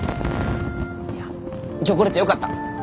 いや今日来れてよかった。